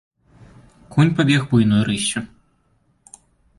Конь пабег буйной рыссю.